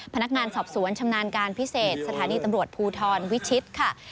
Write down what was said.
พนักงานสอบสวนชำนาญการพิเศษสถานีตำรวจภูทรวิชิตค่ะ